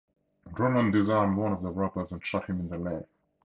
Roland disarmed one of the robbers and shot him in the leg.